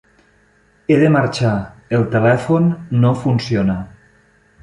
He de marxar; el telèfon no funciona.